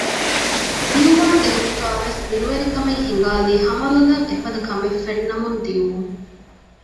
މިއުވާންގެ ހިތުގައިވެސް ބިރުވެރިކަމެއް ހިނގާލީ ހަމަލޮލަށް އެފަދަ ކަމެއް ފެންނަމުން ދިއުމުން